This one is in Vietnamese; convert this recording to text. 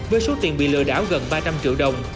với số tiền bị lừa đảo gần ba trăm linh triệu đồng